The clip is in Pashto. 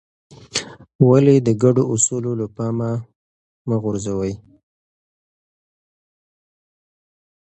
ولې د ګډو اصولو له پامه مه غورځوې؟